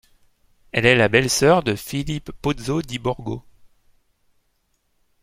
Elle est la belle-sœur de Philippe Pozzo di Borgo.